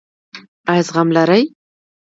ایا زغم لرئ؟